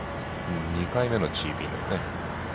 ２回目のチーピンですね。